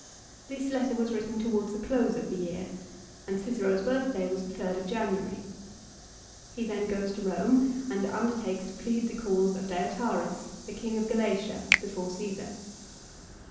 This letter was written towards the close of the B.v. 4D, setat. 62. vea ^ an( j Qi cero s birthday was the 3rd of January. He then goes to Home and undertakes to plead the cause of Deiotarus, the King of Galatia, before Caesar.